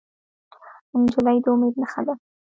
نجلۍ د امید نښه ده.